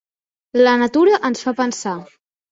La natura ens fa pensar.